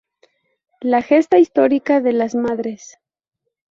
La gesta histórica de las Madres.